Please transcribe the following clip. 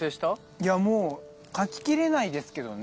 いやもう書き切れないですけどね